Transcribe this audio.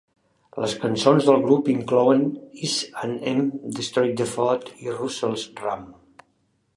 Les cançons del grup inclouen "S and M", "Destroy The Fad" i "Russell's Ramp".